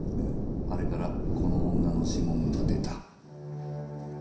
あれからこの女の指紋が出た。